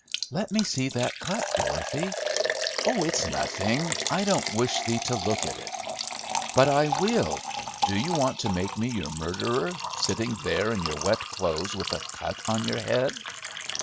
"Let me see that cut, Dorothy!" "Oh, it's nothing. I don't wish thee to look at it!" "But I will! Do you want to make me your murderer, sitting there in your wet clothes with a cut on your head?"